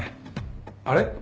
あれ？